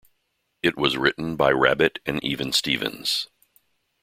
It was written by Rabbitt and Even Stevens.